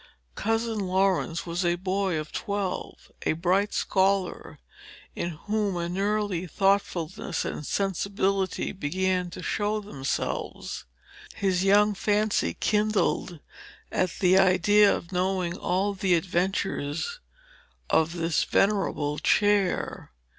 Cousin Laurence was a boy of twelve, a bright scholar, in whom an early thoughtfulness and sensibility began to show themselves. His young fancy kindled at the idea of knowing all the adventures of this venerable chair.